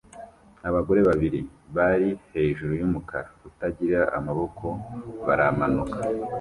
Abagore babiri bari hejuru yumukara utagira amaboko baramanuka